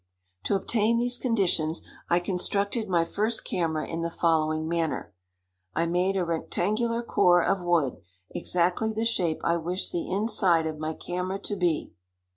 To obtain these conditions, I constructed my first camera in the following manner: I made a rectangular core of wood exactly the shape I wished the inside of my camera to be.